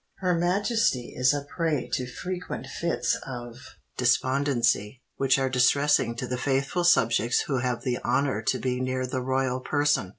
Her Majesty is a prey to frequent fits of despondency, which are distressing to the faithful subjects who have the honour to be near the royal person.